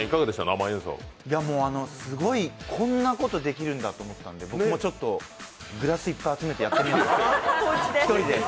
すごい、こんなことできるんだって思ったので僕もちょっとグラスいっぱい集めてやってみようと、１人で。